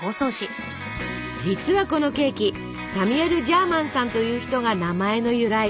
実はこのケーキサミュエル・ジャーマンさんという人が名前の由来。